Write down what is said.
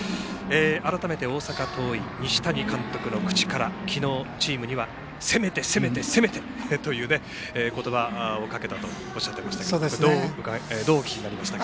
改めて大阪桐蔭西谷監督の口から昨日、チームには攻めて攻めて攻めてという言葉をかけたとおっしゃっていましたがどうお聞きになっていましたか？